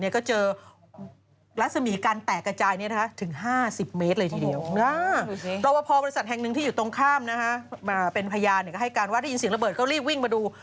ก็ให้การว่าที่ยินเสียงระเบิดก็รีบวิ่งมาดู